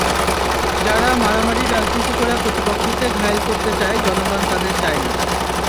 যারা মারামারির রাজনীতি করে প্রতিপক্ষকে ঘায়েল করতে চায় জনগণ তাঁদের চায় না।